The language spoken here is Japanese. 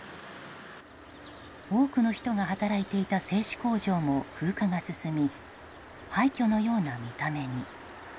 多くの人が働いていた製紙工場も風化が進み廃虚のような見た目に。